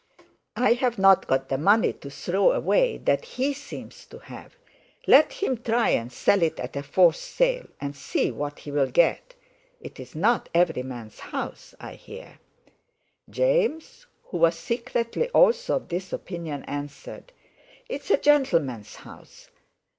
I've not got the money to throw away that he seems to have. Let him try and sell it at a forced sale, and see what he'll get. It's not every man's house, I hear!" James, who was secretly also of this opinion, answered: "It's a gentleman's house.